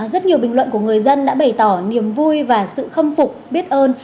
rất nhiều bình luận của người dân đã bày tỏ niềm vui và sự khâm phục biết ơn